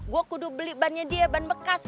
gue kudu beli bannya dia ban bekas